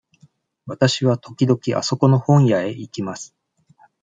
わたしは時々あそこの本屋へ行きます。